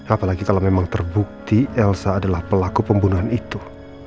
apalagi kalau memang terbukti elsa adalah pelaku pembunuhan itu